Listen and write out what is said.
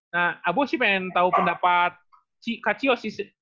nah abu sih pengen tahu pendapat kak cio